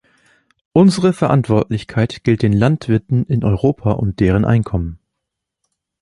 Unsere Verantwortlichkeit gilt den Landwirten in Europa und deren Einkommen.